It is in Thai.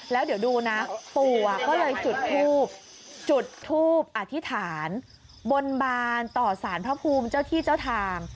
แล้วเดี๋ยวดูนะปู่ก็เลยจุดทูบจุดทูปอธิษฐานบนบานต่อสารพระภูมิเจ้าที่เจ้าทาง